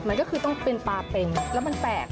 มันก็คือต้องเป็นปลาเป็งแล้วมันแปลก